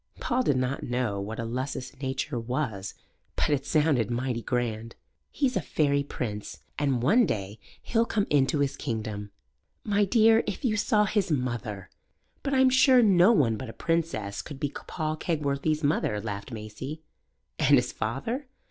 Paul did not know what a lusus naturae was, but it sounded mighty grand. "He's a fairy prince, and one day he'll come into his kingdom." "My dear, if you saw his mother!" "But I'm sure no one but a princess could be Paul Kegworthy's mother," laughed Maisie. "And his father?"